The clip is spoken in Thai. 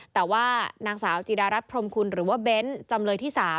แต่ว่านางสาวจีดารัฐพรมคุณหรือว่าเบ้นจำเลยที่๓